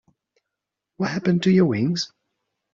What happened to your wings?